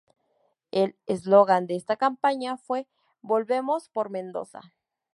El slogan de esta campaña fue "Volvemos por Mendoza".